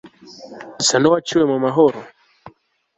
nsa n'uwaciwe mu mahoro